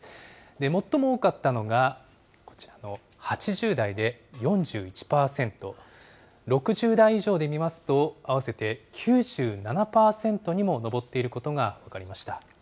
最も多かったのが、こちらの８０代で４１％、６０代以上で見ますと、合わせて９７％にも上っていることが分かりました。